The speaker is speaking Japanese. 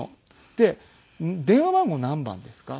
で「電話番号何番ですか？」